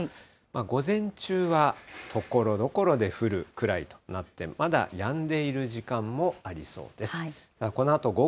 午前中はところどころで降るくらいとなって、まだやんでいる時間もありそうです。